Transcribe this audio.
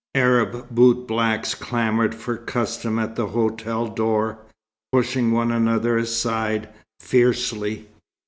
Arab bootblacks clamoured for custom at the hotel door, pushing one another aside, fiercely.